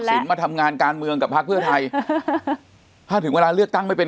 มาทำงานการเมืองกับพักเพื่อไทยถ้าถึงเวลาเลือกตั้งไม่เป็น